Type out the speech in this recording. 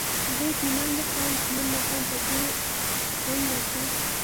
زه اطمینان درکړم چې نن ماښام به په دې غونډه کې.